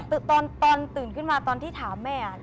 ตอนตื่นขึ้นมาตอนที่ถามแม่